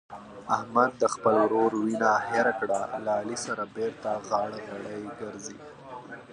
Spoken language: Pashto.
احمد د خپل ورور وینه هېره کړه له علي سره بېرته غاړه غړۍ ګرځي.